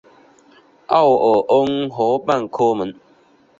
奥尔恩河畔科蒙。